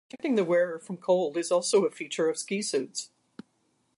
Protecting the wearer from cold is also a feature of ski suits.